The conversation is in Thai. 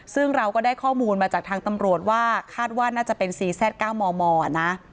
ซึ่งเราก็ได้ข้อมูลมาจากทางตำรวจว่าคาดว่าน่าจะเป็นซีแซด๙มมนะ